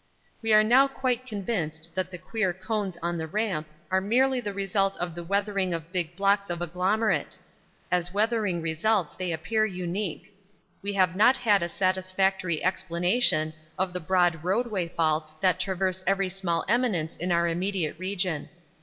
We are now quite convinced that the queer cones on the Ramp are merely the result of the weathering of big blocks of agglomerate. As weathering results they appear unique. We have not yet a satisfactory explanation of the broad roadway faults that traverse every small eminence in our immediate region.